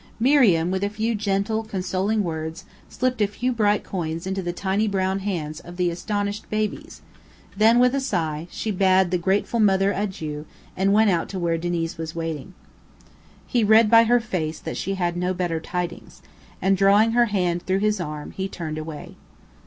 Miriam, with a few gentle, consoling words, slipped a few bright coins into the tiny brown hands of the astonished babies; then, with a sigh, she bade the grateful mother adieu and went out to where Diniz was waiting. He read by her face that she had no better tidings, and, drawing her hand through his arm, he turned away.